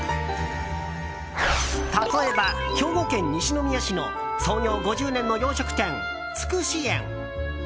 例えば、兵庫県西宮市の創業５０年の洋食店、土筆苑。